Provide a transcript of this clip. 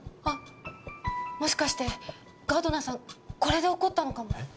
あっもしかしてガードナーさんこれで怒ったのかも。